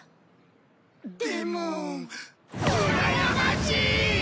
でもうらやましいっ！！